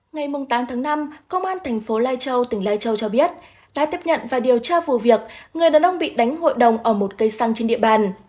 ngày tám tháng năm công an thành phố lai châu tỉnh lai châu cho biết đã tiếp nhận và điều tra vụ việc người đàn ông bị đánh hội đồng ở một cây xăng trên địa bàn